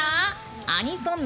アニソン沼